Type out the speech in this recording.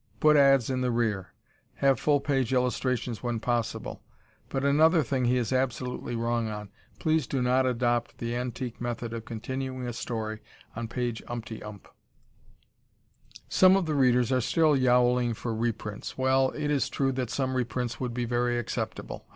Put ads in the rear. Have full page illustrations when possible. But another thing he is absolutely wrong on. Please do not adopt the antique method of continuing a story on page umptyump. Some of the readers are still yowling for reprints. Well, it is true that some reprints would be very acceptable.